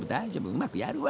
うまくやるわ。